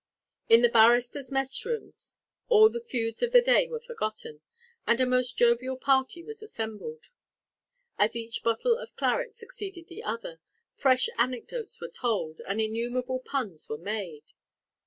In the barristers' mess room all the feuds of the day were forgotten, and a most jovial party was assembled. As each bottle of claret succeeded the other, fresh anecdotes were told, and innumerable puns were made. Mr.